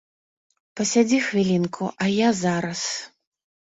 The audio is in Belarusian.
Пасядзі хвілінку, а я зараз.